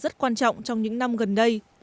nó rất quan trọng trong những năm gần đây